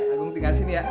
agung tinggal di sini ya